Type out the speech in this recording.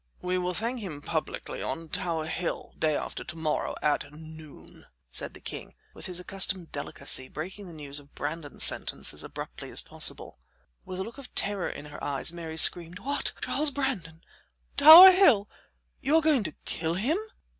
"We will thank him publicly on Tower Hill, day after to morrow, at noon," said the king, with his accustomed delicacy, breaking the news of Brandon's sentence as abruptly as possible. With a look of terror in her eyes, Mary screamed: "What! Charles Brandon.... Tower Hill?... You are going to kill him?"